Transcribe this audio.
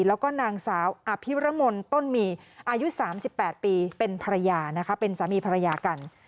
แล้วก็นางสาวอภิระมนต้นหมี่อายุ๓๘ปีเป็นสามีภรรยากัน